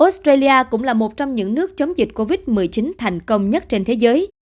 australia cũng là một trong những nước chống dịch covid một mươi chín thành công nhất trên thế giới